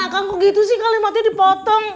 akan kok gitu sih kalimatnya dipotong